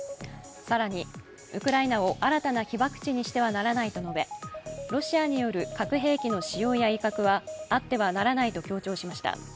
更にウクライナを新たな被爆地にしてはならないと述べロシアによる核兵器の使用や威嚇はあってはならないと強調しました。